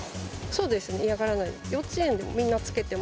そうですね、嫌がらない。